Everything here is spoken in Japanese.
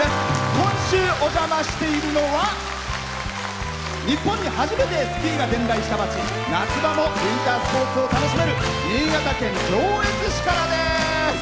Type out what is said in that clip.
今週お邪魔しているのは日本に初めてスキーが伝来した町夏場もウインタースポーツを楽しめる新潟県上越市からです！